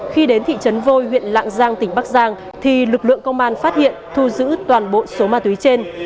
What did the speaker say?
khi đến thị trấn vôi huyện lạng giang tỉnh bắc giang thì lực lượng công an phát hiện thu giữ toàn bộ số ma túy trên